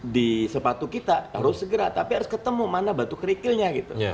di sepatu kita harus segera tapi harus ketemu mana batu kerikilnya gitu